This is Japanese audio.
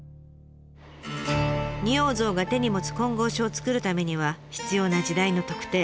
仁王像が手に持つ金剛杵を作るためには必要な時代の特定。